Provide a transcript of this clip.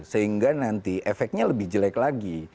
sehingga nanti efeknya lebih jelek lagi